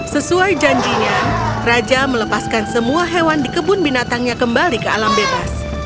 sesuai janjinya raja melepaskan semua hewan di kebun binatangnya kembali ke alam bebas